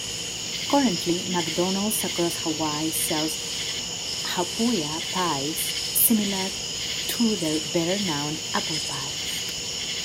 Currently, McDonald's across Hawaii sell "Haupia Pies," similar to their better-known apple pies.